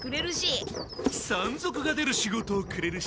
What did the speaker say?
山賊が出る仕事をくれるしな。